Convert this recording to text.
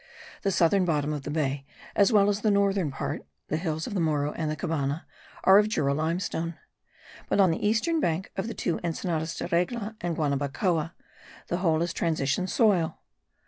The southern bottom of the bay as well as the northern part (the hills of the Morro and the Cabana) are of Jura limestone; but on the eastern bank of the two Ensenadas de Regla and Guanabacoa, the whole is transition soil.